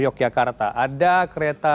yogyakarta ada kereta